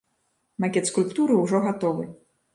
Макет скульптуры ўжо гатовы.